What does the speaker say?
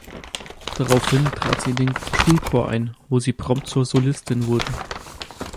Daraufhin trat sie in den Schulchor ein, wo sie prompt zur Solistin wurde.